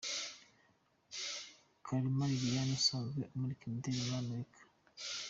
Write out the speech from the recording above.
Kalima Liliane asanzwe amurika imideri muri Amerika .